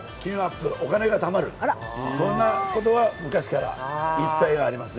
お金がたまる、そんなことは昔から言われていますね。